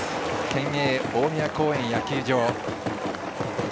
県営大宮公園野球場。